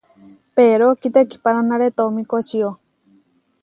Pedró kitekihanánare tomíkočio.